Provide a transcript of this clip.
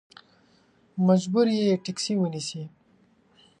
مجبور یې ټیکسي ونیسې.